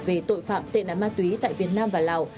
về tội phạm tệ nạn ma túy tại việt nam và lào